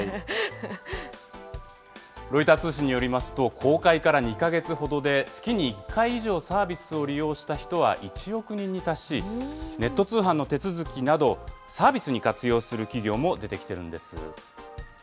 ロイター通信によりますと、公開から２か月ほどで、月に１回以上サービスを利用した人は１億人に達し、ネット通販の手続きなど、サービスに活用する企業も出てきているんです。